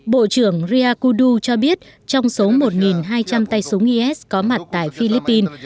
bộ trưởng ria kudu cho biết trong số một hai trăm linh tay súng is có mặt tại philippines